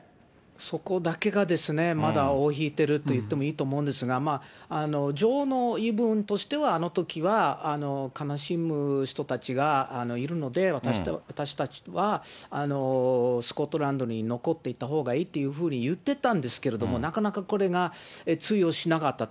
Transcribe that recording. そこだけがですね、まだ尾を引いてると言ってもいいと思うんですが、女王の言い分としては、あのときは悲しむ人たちがいるので、私たちはスコットランドに残っていたほうがいいっていうふうに言ってたんですけれども、なかなかこれが通用しなかった。